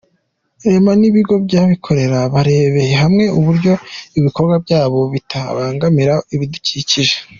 Rema n’Ibigo Byabikorera barebeye hamwe uburyo ibikorwa byabo bitabangamira ibidukikije